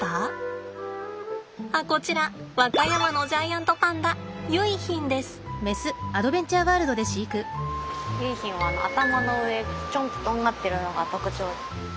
あっこちら和歌山のジャイアントパンダ結浜はあの頭の上ちょんととんがっているのが特徴。